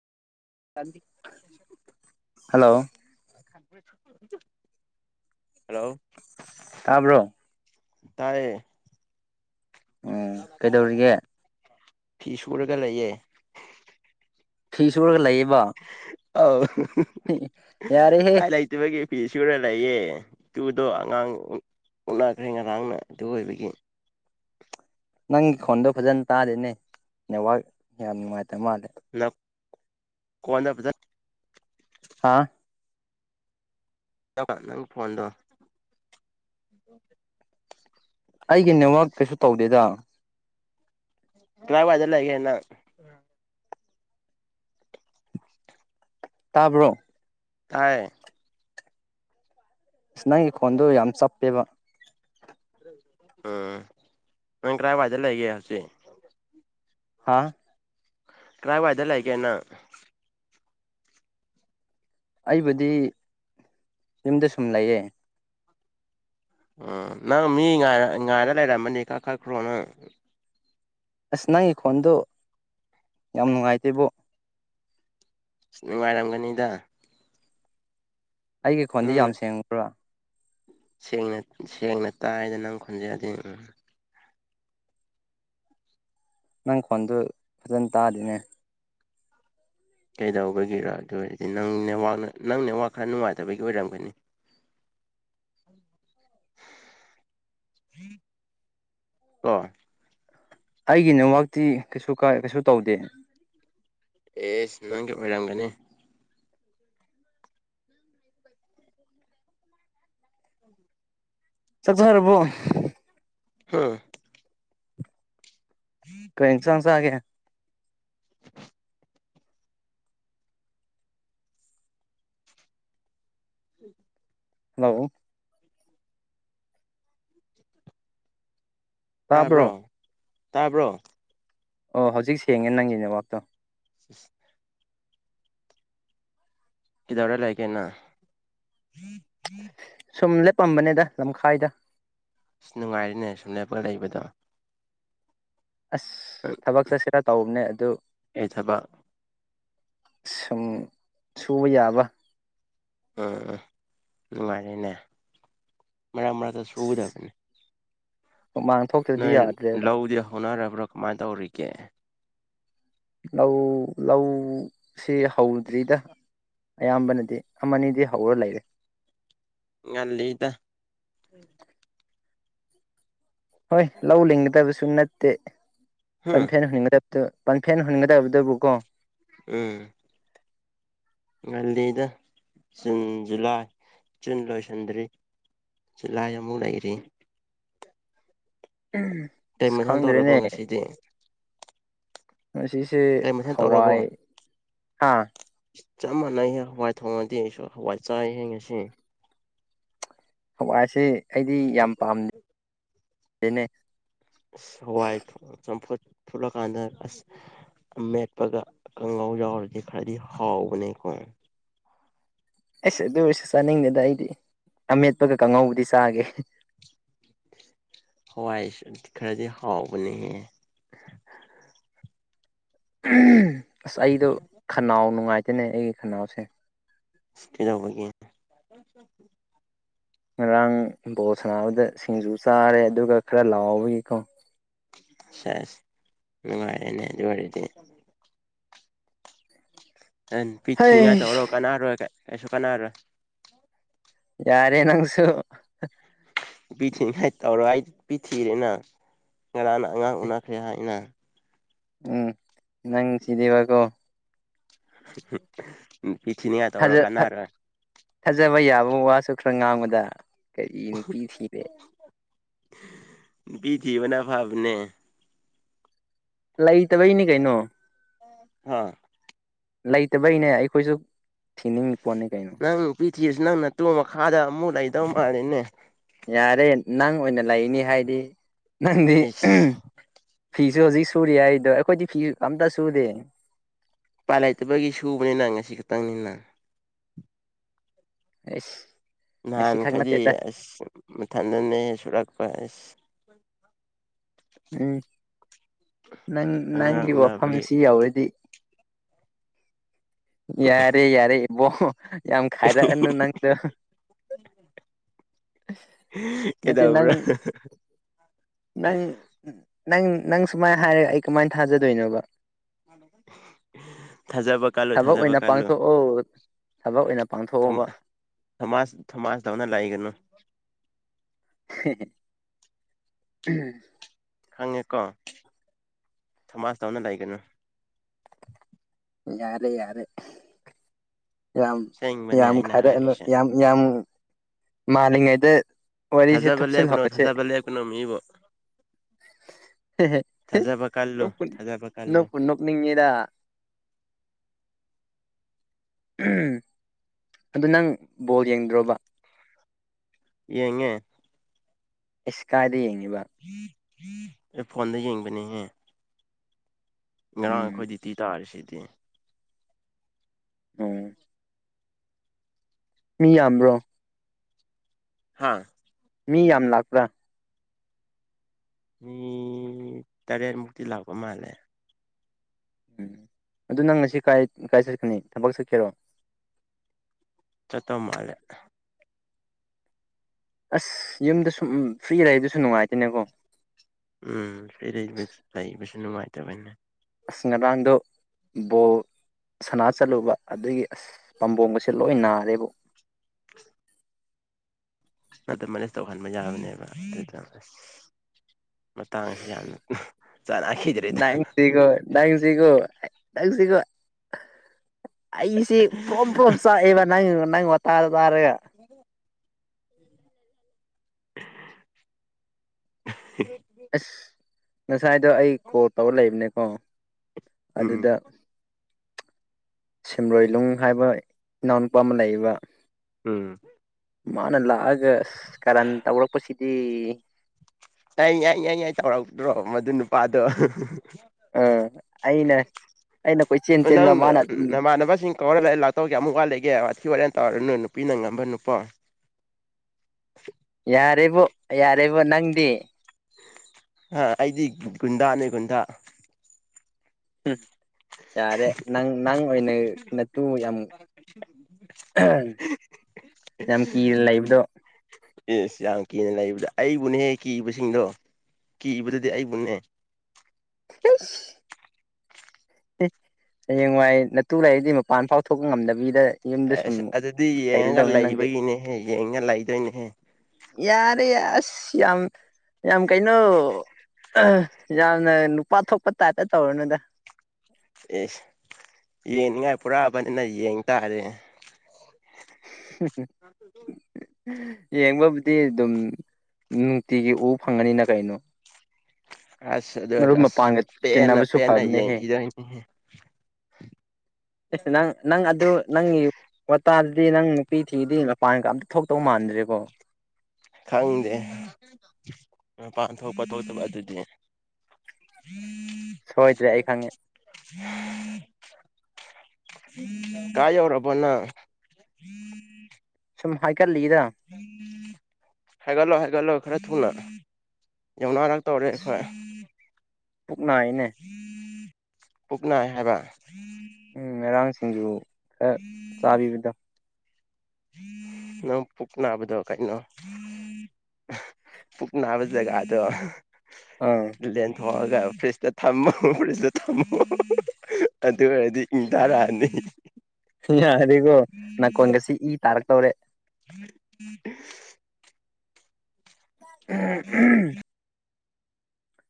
ꯇꯟꯗꯤ ꯍꯜꯂꯣ [unintelligible] [inaudible] [unintelligible] ꯇꯥꯕ꯭ꯔꯣ ꯇꯥꯏꯌꯦ ꯎꯝ ꯀꯩꯗꯧꯔꯤꯒꯦ [unintelligible] ꯐꯤ ꯁꯨꯔꯒ ꯂꯩꯌꯦ ꯐꯤ ꯁꯨꯔꯒ ꯂꯩꯌꯦꯕ ꯑꯥꯎ ꯌꯥꯔꯦꯍꯦ ꯄꯏ ꯂꯩꯇꯕꯒꯤ ꯐꯤ ꯁꯨꯔ ꯂꯩꯌꯦ ꯇꯨꯗꯣ ꯑꯉꯥꯡ ꯎꯅꯈ꯭ꯔꯦ ꯉꯔꯥꯡꯅ ꯑꯗꯨ ꯑꯣꯏꯕꯒꯤ ꯅꯪꯒꯤ ꯐꯣꯟꯗꯣ ꯐꯖꯅ ꯇꯥꯗꯦꯅꯦ ꯅꯦꯠꯋꯥꯛꯛ ꯌꯥꯝ ꯅꯨꯡꯉꯥꯏꯇ ꯃꯥꯂꯦ ꯀꯣꯟꯅ ꯐꯖꯟ ꯍꯥꯥ ꯅꯪ ꯐꯟꯗꯣ ꯑꯩꯒꯤ ꯅꯦꯠꯋꯥꯛ ꯀꯩꯁꯨ ꯇꯧꯗꯦꯗ ꯀꯥꯏꯋꯥꯏꯗ ꯂꯩꯒꯦ ꯅꯪ ꯇꯥꯕ꯭ꯔꯣ ꯇꯥꯏ ꯅꯪꯒꯤ ꯈ‌ꯣꯟꯗ‌ꯣ ꯌꯥꯝ ꯆꯞꯄꯦꯕ ꯎꯝ ꯅꯪ ꯀꯔꯥꯏꯋꯥꯏꯗ ꯂꯩꯒꯦ ꯍꯧꯖꯤꯛ ꯍꯥꯥ ꯀꯔꯥꯏꯋꯥꯏꯗ ꯂꯩꯒꯦ ꯅꯪ ꯑꯩꯕꯨꯗꯤ ꯌꯨꯝꯗ ꯁꯨꯝ ꯂꯩꯌꯦ ꯎꯝ ꯅꯪ ꯃꯤ ꯉꯥꯏꯔꯒ ꯂꯩꯔꯝꯕꯅꯤ ꯈꯛꯊꯠꯈ꯭ꯔ‌ꯣ ꯅꯪ ꯑꯁ ꯅꯪꯒꯤ ꯈꯣꯟꯗꯣ ꯌꯥꯝ ꯅꯨꯡꯉꯥꯏꯇꯦꯕꯣ ꯑꯁ ꯅꯨꯡꯉꯥꯏꯔꯝꯒꯅꯤꯗ ꯑꯩꯒꯤ ꯈꯣꯟꯗꯤ ꯅꯪꯅ ꯌꯥꯝ ꯁꯦꯡꯉꯕ꯭ꯔꯥ ꯁꯦꯡꯅ ꯁꯦꯡꯅ ꯇꯥꯏꯗꯅ ꯅꯪ ꯈꯣꯟꯖ‌ꯦꯜꯗꯤ ꯎꯝ ꯅꯪ ꯈ‌ꯣꯟꯗꯨ ꯐꯖꯅ ꯇꯥꯗ‌ꯦꯅꯦ ꯀꯩꯗꯧꯕꯒꯤꯔ ꯑꯗꯨ ꯑꯣꯏꯔꯗꯤ ꯅꯪ ꯅꯥꯛ ꯅꯪ ꯅꯦꯠꯋꯥꯛ ꯈꯔ ꯅꯨꯡꯉꯥꯏꯇꯕꯒꯤ ꯑꯣꯏꯔꯝꯒꯅꯤ ꯀꯣ ꯑꯩꯒꯤ ꯅꯦꯋꯥꯛꯇꯤ ꯀꯩꯁꯨ ꯀꯥꯏ ꯀꯩꯁꯨ ꯇꯧꯗꯦ꯫ ꯑꯦꯁ ꯅꯪꯒꯤ ꯑꯣꯏꯔꯝꯒꯅꯦ꯫ ꯆꯥꯛ ꯆꯥꯔꯕꯣ ꯍꯥꯥ꯫ ꯀꯩ ꯏꯟꯁꯥꯡ ꯆꯥꯒꯦ꯫ [inaudible] ꯍꯂꯣ꯫ ꯇꯥꯕ꯭ꯔꯣ꯫ ꯇꯥꯕ꯭ꯔꯣ꯫ ꯑꯣ ꯍꯧꯖꯤꯛ ꯁꯦꯡꯉꯦ ꯅꯪꯒꯤ ꯅꯦꯋꯥꯛꯇꯣ꯫ [inaudible] ꯀꯩꯗꯧꯔ ꯂꯩꯒꯦꯅꯥ꯫ ꯁꯨꯝ ꯂꯦꯞꯄꯝꯕꯅꯦꯗ ꯂꯝꯈꯥꯏꯗ꯫ ꯑꯁ ꯅꯨꯡꯉꯥꯏꯔꯤꯅꯦ ꯁꯨꯝꯂꯦꯞꯄꯒ ꯂꯩꯕꯗꯣ꯫ ꯑꯁ ꯊꯕꯛ ꯆꯠꯁꯤꯔ ꯇꯧꯕꯅꯦ ꯑꯗꯨ꯫ ꯑꯩ ꯊꯕꯛ ꯁꯨꯝ ꯁꯨꯕ ꯌꯥꯕ꯫ ꯎꯝ ꯃꯥꯅꯤꯅꯦ꯫ ꯃꯔꯛ ꯃꯔꯛꯇ ꯁꯨꯒꯗꯕꯅꯦ꯫ ꯍꯨꯃꯥꯡ ꯊꯣꯛꯇ꯭ꯔꯗꯤ ꯅꯣꯏ ꯌꯥꯗ꯭ꯔꯦꯕ ꯂꯧꯗꯤ ꯍꯧꯅꯔꯕ꯭ꯔꯣ꯫ ꯀꯃꯥꯏ ꯇꯧꯔꯤꯒꯦ꯫ ꯂꯧ ꯂꯧ ꯁꯤ ꯍꯧꯗ꯭ꯔꯤꯗ ꯑꯌꯥꯝꯕꯅꯗꯤ ꯑꯃꯅꯤꯗꯤ ꯍꯧꯔ ꯂꯩꯔꯦ꯫ ꯉꯜꯂꯤꯗ꯫ ꯍꯣꯏ ꯂꯧ ꯂꯤꯡꯒꯗꯕꯁꯨ ꯅꯠ ꯇꯦ꯫ ꯍꯨꯝ ꯇꯟꯊꯦꯟ ꯍꯨꯟꯒꯗꯕ꯫ ꯄꯟꯐꯦꯟ ꯍꯨꯟꯒꯗꯕꯗꯕꯨ ꯀꯣ꯫ ꯎꯝ꯫ ꯉꯜꯂꯤꯗ ꯖꯨꯟ ꯖꯨꯂꯥꯏ ꯖꯨꯟ ꯂꯣꯏꯁꯤꯟꯗ꯭ꯔꯤ ꯖꯨꯂꯥꯏ ꯑꯃꯨꯛ ꯂꯩꯔꯤ꯫ ꯎꯝ ꯀꯩ ꯑꯁ ꯃꯊꯦꯜ ꯇꯧꯔꯕꯣ ꯈꯪꯗꯔꯦꯅꯦ꯫ ꯉꯁꯤꯗꯤ ꯉꯁꯤꯁꯦ ꯀꯩ ꯃꯊꯦꯜ ꯇꯧꯔꯕꯣ ꯍꯋꯥꯏ꯫ ꯍꯥꯥ꯫ ꯆꯞ ꯃꯥꯟꯅꯩꯍꯦ ꯍꯋꯥꯏ ꯊꯣꯡꯉꯗꯤ ꯑꯩꯁꯨ ꯍꯋꯥꯏ ꯆꯥꯏ ꯍꯦ ꯉꯁꯤ꯫ ꯍꯋꯥꯏꯁꯤ꯫ ꯑꯩꯗꯤ ꯌꯥꯝ ꯄꯥꯝ ꯅꯦ꯫ ꯑꯁ ꯍꯋꯥꯏ ꯆꯝꯐꯨꯠ ꯐꯨꯠꯂꯀꯥꯟꯗ ꯑꯁ ꯑꯃꯦꯠꯄꯒ ꯀꯥꯡꯉꯎ ꯌꯥꯎꯔꯗꯤ ꯐꯗꯤ ꯍꯥꯎꯕꯅꯦꯀꯣ꯫ ꯑꯩꯁꯨ ꯑꯗꯨ ꯑꯣꯏꯔꯁꯨ ꯆꯥꯅꯤꯡꯗꯦꯗ ꯑꯩꯗꯤ ꯑꯃꯦꯠꯄꯒ ꯀꯥꯡꯉꯧꯕꯨꯗꯤ ꯆꯥꯒꯦ꯫ ꯍꯋꯥꯏ ꯈꯔꯗꯤ ꯍꯥꯎꯕꯅꯦꯍꯦ꯫ ꯎꯝ꯫ ꯑꯁ ꯑꯩꯗꯣ ꯈꯅꯥꯎ ꯅꯨꯡꯉꯥꯏ ꯇꯅꯦ ꯑꯩꯒꯤ ꯈꯅꯥꯎꯁꯦ ꯏꯁꯇꯖꯧꯕꯒꯦ ꯉꯔꯥꯡ ꯕꯣꯜ ꯁꯥꯟꯅꯕꯗ ꯁꯤꯡꯖꯨ ꯆꯥꯔꯦ ꯑꯗꯨꯒ ꯈꯔ ꯂꯥꯎꯕꯒꯤꯀꯣ ꯁꯦꯁ ꯅꯨꯡꯉꯥꯏꯔꯦꯅꯦ ꯑꯗꯨ ꯋꯥꯔꯤꯗꯤ ꯑꯦ ꯅꯨꯄꯤ ꯊꯤꯅꯤꯡꯉꯥꯏ ꯍꯩ ꯇꯧꯔꯣ ꯀꯅꯥꯅꯔꯣꯏ ꯀꯩꯁꯨ ꯀꯅꯥꯔꯣ ꯌꯥꯔꯦ ꯅꯪꯁꯨ ꯄꯤꯊꯉ ꯇꯔꯣ ꯄꯤꯊꯤꯔꯦꯅ ꯀꯔꯅꯉꯥꯡ ꯑꯣꯈ ꯍꯅ ꯎꯝ ꯅꯪꯁꯤꯗꯤꯕꯒꯣ ꯎꯝ ꯍꯖ ꯐꯖꯔꯩ ꯌꯥꯕ ꯋꯥꯁꯨ ꯈ ꯉꯥꯡꯕꯗ ꯀꯔꯤ ꯅꯨꯄꯤ ꯊꯔꯦ ꯅꯨꯄꯤ ꯊꯤꯕꯥꯅꯥ ꯐꯥꯕꯅꯦ ꯂꯩꯇꯕꯩꯅꯤ ꯀꯩꯅꯣ ꯑꯥ ꯂꯩꯇꯕꯩꯅꯦ ꯑꯩꯈꯣꯏꯁꯨ ꯊꯤꯅꯤꯡ ꯄꯅꯤ ꯀꯩꯅ ꯇꯤꯁꯨ ꯅꯪꯅ ꯇꯨ ꯃꯈꯥꯗ ꯑꯃꯨꯛ ꯂꯩꯗꯧ ꯃꯥꯜꯂꯤꯅꯦ ꯌꯥꯔꯦ ꯅꯪ ꯑꯣꯏꯅ ꯑꯣꯏꯅ ꯂꯩꯅꯤ ꯍꯥꯏꯗꯤ ꯅꯪꯗꯤ ꯏꯁ ꯐꯤꯁꯨ ꯍꯧꯖꯤꯛ ꯁꯨꯔꯤ ꯍꯥꯏꯗꯣ ꯑꯩꯈꯣꯏꯗꯤ ꯐꯤꯁꯨ ꯑꯝꯇ ꯁꯨꯗꯦ ꯎꯄꯥꯏ ꯂꯩꯇꯕꯒꯤ ꯁꯨꯕꯅꯤꯅ ꯉꯁꯤ ꯈꯛꯇꯪꯅꯤꯅ ꯑꯦ ꯅꯍꯥꯟ ꯈꯩꯗꯤ ꯑꯁ ꯃꯊꯟꯗꯅꯦ ꯁꯨꯔꯛꯄ ꯑꯁ ꯎꯝ ꯅꯪ ꯑꯉꯥꯡ ꯅꯪꯒꯤ ꯎꯅꯕꯒꯤ ꯋꯥꯐꯝꯁꯤ ꯌꯥꯎꯔꯗꯤ ꯌꯥꯔꯦ ꯌꯥꯔꯦ ꯏꯕꯣ ꯌꯥꯝ ꯈꯥꯏꯔꯛꯑꯅꯨ ꯅꯪꯁꯨ ꯅꯠꯇꯦ ꯅꯪ ꯀꯩꯗꯧꯕ꯭ꯔꯥ ꯅꯪ ꯅꯪ ꯅꯪ ꯁꯨꯃꯥꯏꯅ ꯍꯥꯏꯔꯒ ꯑꯩ ꯀꯃꯥꯏꯅ ꯊꯥꯖꯗꯣꯏꯅꯣꯕ ꯊꯖꯥꯕ ꯀꯜꯂꯨ ꯊꯕꯛ ꯊꯥꯖꯕ ꯑꯣꯏꯅ ꯀꯜꯂꯨ ꯄꯥꯡꯊꯣꯛꯑꯣ ꯊꯕꯛ ꯑꯣꯏꯅ ꯄꯥꯡꯊꯣꯛꯑꯣꯕ ꯊꯣꯃꯥꯁ ꯊꯣꯃꯥꯁ ꯇꯧꯅ ꯂꯥꯛꯏꯒꯅꯨ [inaudible] ꯈꯪꯉꯦꯀꯣ ꯊꯃꯥꯁ ꯇꯧꯅ ꯂꯩꯒꯅꯨ ꯌꯥꯔꯦ ꯌꯥꯔꯦ ꯌꯥꯝ ꯑꯁꯦꯡꯕꯅꯦ ꯌꯥꯝ ꯑꯩꯅ ꯈꯔ ꯍꯥꯏꯔꯤꯁꯦ ꯌꯥꯝ ꯌꯥꯝ ꯃꯥꯜꯂꯤꯉꯥꯏꯗ ꯋꯥꯔꯤꯁꯦ ꯊꯥꯖꯕ ꯊꯨꯞꯁꯤꯜ ꯂꯦꯞꯀꯅꯨ ꯍꯧꯔꯁꯦ ꯊꯥꯖꯕ ꯂꯦꯞꯀꯅꯨ ꯃꯤꯕꯨ ꯊꯥꯖꯕ ꯀꯜꯂꯨ ꯊꯥꯖꯕ ꯀꯜꯂꯨ ꯅꯣꯛꯄꯨ ꯅꯣꯛꯅꯤꯡꯉꯤꯗ [unintelligible] ꯑꯗꯨ ꯅꯪ ꯕꯣꯜ ꯌꯦꯡꯗ꯭ꯔꯣꯕ ꯌꯦꯡꯉꯦ ꯏꯁꯀꯥꯏꯗ ꯌꯦꯡ [inaudible] ꯑꯦ ꯐꯣꯟꯗ ꯌꯦꯡꯕꯅꯤꯍꯦ ꯉꯔꯥꯡ ꯎꯝ ꯑꯩꯈꯣꯏ ꯗꯨꯇꯤ ꯇꯥꯔꯤꯁꯤꯗꯤ ꯂ [unintelligible] ꯑꯣ ꯃꯤ ꯌꯥꯝꯕ꯭ꯔꯣ ꯍꯥꯥ ꯃꯤ ꯌꯥꯝ ꯂꯥꯛꯄ꯭ꯔꯥ ꯃꯤ ꯇꯔꯦꯠꯃꯨꯛꯇꯤ ꯂꯥꯛꯄ ꯃꯥꯜꯂꯦ ꯎꯝ ꯑꯗꯨ ꯅꯪꯁꯤ ꯀꯥꯏ ꯀꯥꯏ ꯆꯠꯀꯅꯤ ꯊꯕꯛ ꯆꯠꯀꯦꯔꯣ ꯆꯠꯇꯧ ꯃꯥꯜꯂꯦ ꯑꯁ ꯌꯨꯝꯗ ꯁꯨꯝ ꯐ꯭ꯔꯤ ꯂꯩꯗꯨꯁꯨ ꯅꯨꯡꯉꯥꯏꯇꯦꯅꯦꯀꯣ ꯎꯝ ꯐꯔꯤ ꯂꯩ ꯂꯩꯕꯁꯨ ꯅꯨꯡꯉꯥꯏ ꯇꯕ ꯑꯁ ꯉꯔꯥꯡꯗꯣ ꯕꯣꯜ ꯁꯅꯥ ꯆꯠꯂꯨꯕ ꯑꯗꯨꯒꯤ ꯑꯁ ꯄꯥꯝꯕꯣꯕꯁꯦ ꯂꯣꯏ ꯅꯥꯔꯦꯕꯨ ꯑꯗꯨ ꯃꯅꯦꯁ ꯇꯧꯍꯟꯕ ꯌꯥꯕꯅꯦꯕ ꯑꯗꯨ ꯃꯇꯥꯡꯁꯤ ꯌꯥꯝꯅ ꯆꯅꯈꯤꯗ꯭ꯔꯦꯗ ꯅꯪꯁꯤꯒꯣ ꯅꯪꯁꯤꯒꯣ ꯅꯪꯁꯤꯒꯣ ꯑꯩꯁꯦ ꯄ꯭ꯔꯣꯝ ꯄ꯭ꯔꯣꯝ ꯆꯥꯛꯑꯦꯕ ꯅꯪ ꯅꯪ ꯋꯥ ꯇꯥꯗꯣ ꯇꯥꯔꯒ ꯍ [unintelligible] ꯑꯁ ꯉ ꯉꯁꯥꯏꯗꯣ ꯑꯩ ꯀꯣꯜ ꯇꯧꯔ ꯂꯩꯕꯅꯦꯀꯣ ꯎꯝ ꯑꯗꯨꯗ ꯁꯤꯃꯔꯣꯏꯂꯨꯡ ꯍꯥꯏꯕ ꯏꯅꯥꯎꯅꯨꯄꯥ ꯑꯃ ꯂꯩꯕ ꯎꯝ ꯃꯥꯅꯂꯥꯛꯑ ꯑꯒ ꯀꯔꯟ ꯇꯧꯔꯛꯄꯁꯤꯗꯤ ꯑꯩ ꯌꯥꯏ ꯌꯥꯏ ꯌꯥꯏ ꯇꯧꯔꯛꯇ꯭ꯔꯣ ꯃꯗꯨ ꯅꯨꯄꯥꯗꯣ ꯑ ꯑꯩꯅ ꯑꯩꯅ ꯀꯣꯏꯆꯦꯟ ꯅꯪ ꯆꯦꯟꯕ ꯃꯥꯅ ꯑꯗꯨꯝ ꯅꯃꯥꯟꯅꯕꯁꯤꯡ ꯀꯧꯔ ꯂꯥꯛꯇꯧ ꯀꯔꯥꯝ ꯋꯥꯠꯂꯤꯒꯦ ꯋꯥꯊꯤ ꯋꯥꯔꯦꯝ ꯇꯥꯔꯅꯨ ꯅꯨꯄꯤꯅ ꯉꯝꯕ ꯅꯨꯄꯥ ꯌꯥꯔꯦꯕꯣ ꯌꯥꯔꯦꯕꯣ ꯅꯪꯗꯤ ꯑꯥ ꯑꯩꯗꯤ ꯒꯨꯟꯗꯥꯅꯦ ꯒꯨꯟꯗꯥ ꯍꯝ ꯌꯥꯔꯦ ꯅꯪ ꯅꯪ ꯑꯣꯏꯅ ꯅꯥꯇꯨ ꯌꯥꯝ ꯌꯥꯝ ꯀꯤꯔ ꯂꯩꯕꯗꯣ ꯏꯁ ꯌꯥꯝ ꯀꯤꯅ ꯂꯩꯕꯗ ꯑꯩꯕꯨꯅꯦꯍꯦ ꯀꯤꯕꯁꯤꯡꯗꯣ ꯀꯤꯕꯗꯨꯗꯤ ꯑꯩꯕꯨꯅꯦ ꯍꯌꯦꯡꯋꯥꯏ ꯅꯠꯇꯨ ꯂꯩꯔꯤꯗꯤ ꯃꯄꯥꯟ ꯐꯥꯎ ꯊꯣꯛꯄ ꯉꯝꯗꯕꯤꯗ ꯌꯨꯝꯗ ꯁꯨꯝ ꯑꯁ ꯑꯗꯨꯗꯤ ꯌꯦꯡꯉꯒ ꯂꯩꯒꯗꯧꯅꯤ ꯅꯪꯗꯤ ꯂꯩꯕꯒꯤꯅꯦꯍꯦ ꯌꯦꯡꯉꯒ ꯂꯩꯗꯣꯏꯅꯦꯍꯦ ꯌꯥꯔꯦ ꯑꯁ ꯌꯥꯝ ꯌꯥꯝ ꯀꯩꯅꯣ ꯌꯥꯝꯅ ꯅꯨꯄꯥ ꯊꯣꯛꯄ ꯇꯥꯏꯞꯇ ꯇꯧꯔꯅꯨꯗ ꯑꯦꯁ ꯌꯦꯡꯅꯤꯡꯉꯥꯏ ꯄꯨꯔꯛꯑꯕꯅꯤꯅ ꯌꯦꯡ ꯇꯥꯔꯦ ꯎꯝ ꯎꯝ ꯌꯦꯡꯕꯕꯨꯗꯤ ꯑꯗꯨꯝ ꯅꯨꯡꯇꯤꯒꯤ ꯎ ꯐꯪꯉꯅꯤꯅ ꯀꯩꯅꯣ ꯑꯁ ꯑꯗꯨ ꯃꯔꯨꯞ ꯑꯁ ꯃꯄꯥꯡꯒ ꯄꯦꯟꯅ ꯇꯤꯟꯅꯕꯁꯨ ꯄꯦꯟꯅ ꯐꯕꯅꯦꯍꯦꯁ ꯌꯦꯡꯈꯤꯗꯣꯏꯅꯤ ꯅꯪ ꯅꯪ ꯑꯗꯨ ꯅꯪꯒꯤ ꯋꯥꯇꯥ ꯗꯤ ꯅꯪ ꯅꯨꯄꯤ ꯊꯤꯗꯤ ꯃꯄꯥꯟꯒ ꯑꯝꯇ ꯊꯣꯛꯇꯧ ꯃꯥꯟꯗ꯭ꯔꯦꯀꯣ ꯈꯪꯗꯦ ꯃꯄꯥꯟ ꯊꯣꯛꯄ ꯊꯣꯛꯇꯕ ꯑꯗꯨꯗꯤ ꯁꯣꯏꯗ꯭ꯔꯦ ꯑꯩ ꯈꯪꯉꯦ ꯀꯥꯏ ꯌꯔꯔꯕꯅ ꯍꯥꯏ ꯎꯝ [inaudible] ꯍꯥꯏꯒꯂꯣ ꯍꯥꯏꯒꯂꯣ ꯈꯔ ꯊꯨꯡꯂ ꯑꯛꯇ ꯑꯣꯔꯦ ꯈ ꯄꯨꯛꯅꯥꯏꯅꯦ ꯄꯨꯛꯅꯥꯏ ꯍꯥꯏꯕ ꯎꯝ ꯃꯔꯥꯡꯁꯤ ꯊꯤꯡꯖꯨ ꯐ ꯆꯕꯤꯕꯗ ꯅꯪ ꯄꯨꯛ ꯅꯥꯕꯗꯣ ꯀꯩꯅꯣ ꯄꯨꯛ ꯅꯥꯕ ꯖꯒꯥꯗꯣ ꯑꯥ ꯏ [unintelligible] ꯍꯣꯏꯒ ꯐ꯭ꯔꯤꯖꯇ ꯊꯝꯃꯃꯣ ꯐ꯭ꯔꯤꯖꯇ ꯊꯝꯃꯣ ꯑꯗꯨ ꯑꯣꯏꯔꯗꯤ ꯏꯪ ꯇꯔꯛꯑꯅꯤ ꯌꯥꯒꯣ ꯅꯪ ꯀꯣꯣꯡꯦꯁꯤ ꯇꯔꯛ ꯇꯧꯔꯦ ꯎꯝ ꯎꯝ ꯎ